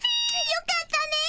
よかったね！